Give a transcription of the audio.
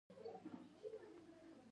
هغه شاته وکتل چې مور یې په عصا ولاړه وه